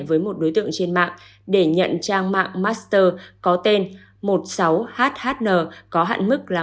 với một đối tượng trên mạng để nhận trang mạng master có tên một mươi sáu hhn có hạn mức là một trăm bốn mươi